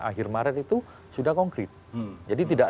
akhir maret itu sudah konkret jadi tidak